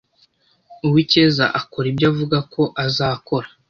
Uwicyeza akora ibyo avuga ko azakora.